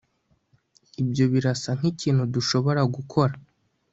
ibyo birasa nkikintu dushobora gukora